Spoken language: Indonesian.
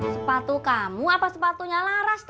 sepatu kamu apa sepatunya laras